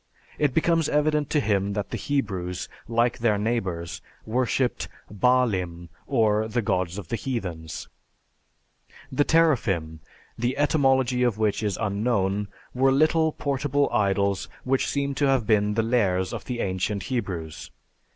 It becomes evident to him that the Hebrews, like their neighbors, worshiped "baalim" or the gods of the heathens. The "teraphim," the etymology of which is unknown, were little portable idols which seem to have been the Lares of the ancient Hebrews.